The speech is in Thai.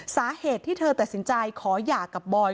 สาเหตุที่เธอตัดสินใจขอหย่ากับบอย